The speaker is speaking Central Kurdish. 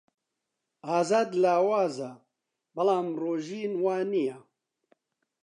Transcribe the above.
ئازاد لاوازە، بەڵام ڕۆژین وانییە.